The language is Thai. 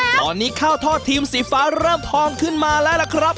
ตอนนี้ข้าวทอดทีมสีฟ้าเริ่มพองขึ้นมาแล้วล่ะครับ